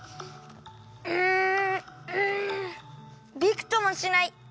うんんビクともしない！